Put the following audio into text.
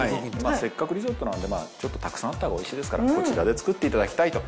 せっかくリゾットなのでたくさんあったほうがおいしいですからこちらで作っていただきたいと。